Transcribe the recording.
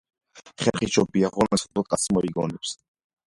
ხერხი სჯობია ღონესა თუ კაცი მოიგონებს.